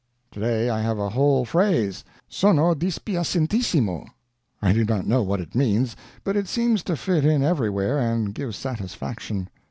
Today I have a whole phrase: sono dispiacentissimo. I do not know what it means, but it seems to fit in everywhere and give satisfaction.